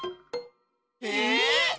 え？